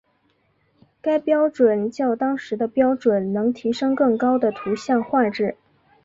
该标准较当时的标准能提升更高的图像画质。